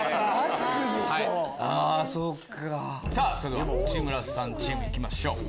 それでは内村さんチーム行きましょう。